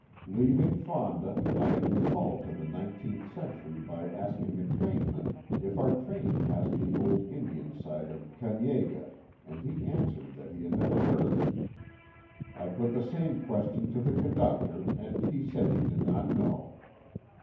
Leaving Fonda I am recalled to the nineteenth century by asking a trainman if our train passed the old Indian site of Ka nyea geh and he answered that he had never heard of it. I put the same question to the conductor and he said he did not know.